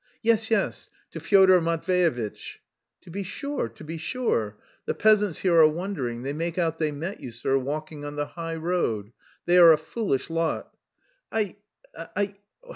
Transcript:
"Yes, yes, to Fyodor Matveyevitch's." "To be sure, to be sure. The peasants here are wondering; they make out they met you, sir, walking on the high road. They are a foolish lot." "I... I...